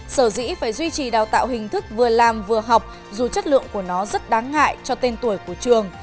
sở dĩ phải duy trì đào tạo hình thức vừa làm vừa học dù chất lượng của nó rất đáng ngại cho tên tuổi của trường